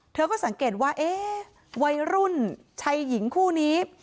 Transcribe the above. เธอก็สังเกตว่าเอ๊ะวัยรุ่นชายหญิงคู่นี้